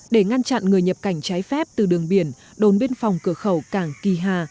để ngăn chặn người nhập cảnh trái phép từ đường biển đồn biên phòng cửa khẩu cảng kỳ hà